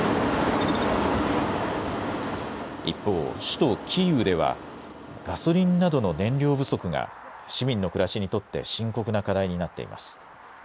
一方、首都キーウではガソリンなどの燃料不足が市民の暮らしにとって深刻な課題になっています。